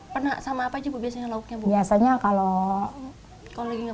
pernah sama apa aja bu biasanya lauknya bu